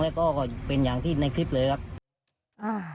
แล้วก็ก็เป็นอย่างที่ในคลิปเลยครับ